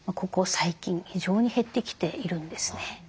最近非常に減ってきているんですね。